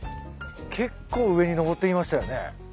結構上に登ってきましたよね。